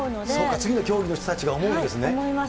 次の競技の人たちが思うんで思います。